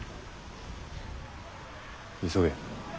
急げ。